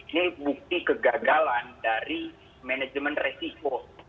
ini bukti kegagalan dari manajemen resiko